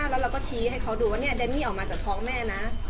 แล้วเราก็ชี้ให้เขาดูว่าเดมมี่ออกมาจากท้องแม่นะ